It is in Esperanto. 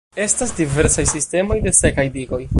Estas diversaj sistemoj de sekaj digoj.